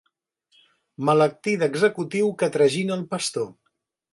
Maletí d'executiu que tragina el pastor.